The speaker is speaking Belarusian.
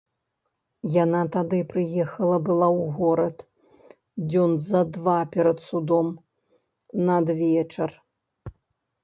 Яна тады прыехала была ў горад дзён за два перад судом, надвечар.